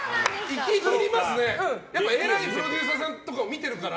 えらいプロデューサーさんとか見てるから。